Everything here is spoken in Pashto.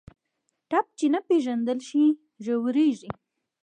ټپ چې نه پېژندل شي، ژورېږي.